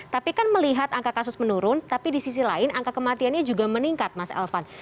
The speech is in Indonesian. tapi kan melihat angka kasus menurun tapi di sisi lain angka kematiannya juga meningkat mas elvan